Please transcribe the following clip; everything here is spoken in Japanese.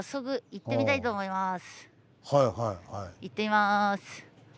行ってみます。